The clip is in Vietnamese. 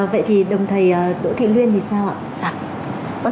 vậy thì đồng thầy đỗ thị luyên thì sao ạ